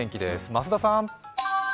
増田さん。